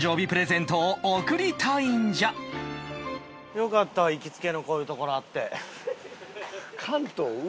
よかったわ行きつけのこういう所あって。